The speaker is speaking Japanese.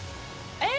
え！